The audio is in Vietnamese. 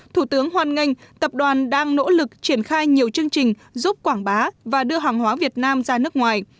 thủ tướng hoan nghênh tập đoàn đang nỗ lực triển khai nhiều chương trình giúp quảng bá và đưa hàng hóa việt nam ra nước ngoài